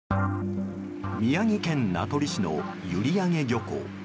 宮城県名取市の閖上漁港。